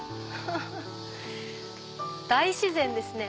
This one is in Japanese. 大自然ですね！